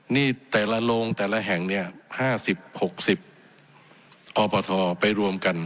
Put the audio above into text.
นี่แต่ละโลงแต่ละแห่งเนี่ยห้าสิบหกสิบออปทรไปรวมกัน